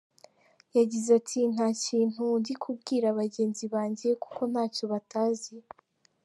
Yagize ati "Nta kintu ndi kubwira bagenzi banjye kuko ntacyo batazi.